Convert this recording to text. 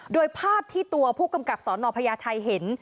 โดยภาพที่ตัวผู้กำกับสนพญาไทยเห็น